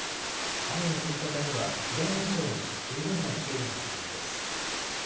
雨の降り方にはふだん以上に十分な注意が必要です。